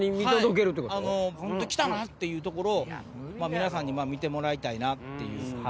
来たな！っていうところを皆さんに見てもらいたいなって。